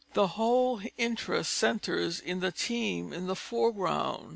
The whole interest centres in the team in the foreground.